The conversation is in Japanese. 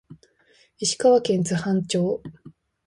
石川県津幡町